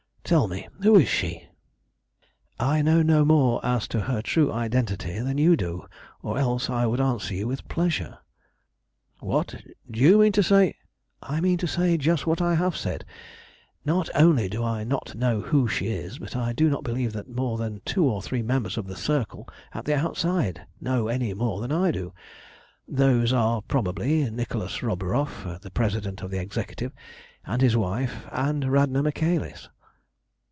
Tell me who is she?" "I know no more as to her true identity than you do, or else I would answer you with pleasure." "What! Do you mean to say" "I mean to say just what I have said. Not only do I not know who she is, but I do not believe that more than two or three members of the Circle, at the outside, know any more than I do. Those are, probably, Nicholas Roburoff, the President of the Executive, and his wife, and Radna Michaelis."